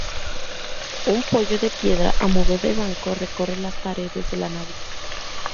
Un poyo de piedra a modo de banco recorre las paredes de la nave.